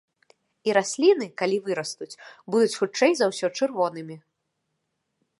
І расліны, калі вырастуць, будуць хутчэй за ўсё чырвонымі.